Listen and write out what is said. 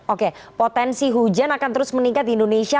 oke potensi hujan akan terus meningkat di indonesia